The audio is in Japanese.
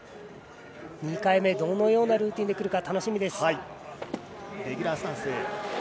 ２回目、どのようなルーティンでくるか楽しみです。